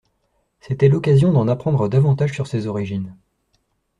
C’était l’occasion d’en apprendre davantage sur ses origines.